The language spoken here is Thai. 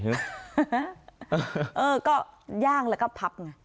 เออก็ย่างแล้วก็พับไง